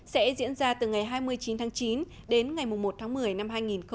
sẽ diễn ra từ ngày hai mươi chín tháng chín đến ngày một tháng một mươi năm hai nghìn một mươi chín